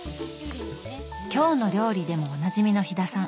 「きょうの料理」でもおなじみの飛田さん。